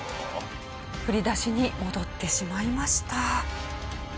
振り出しに戻ってしまいました。